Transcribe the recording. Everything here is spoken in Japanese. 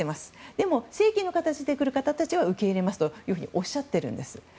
でも、正規の形で来る方たちは受け入れますとおっしゃってるんです。